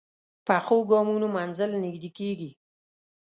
پخو ګامونو منزل نږدې کېږي